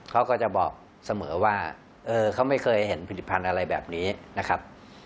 เขาก็จะบอกเสมอว่าเขาไม่เคยเห็นผลิตภัณฑ์อะไรแบบนี้นะครับ